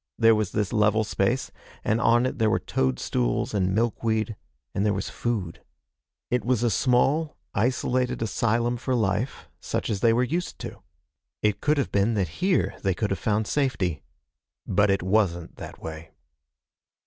There was this level space, and on it there were toadstools and milkweed, and there was food. It was a small, isolated asylum for life such as they were used to. It could have been that here they could have found safety. But it wasn't that way.